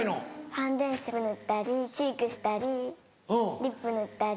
ファンデーション塗ったりチークしたりリップ塗ったり。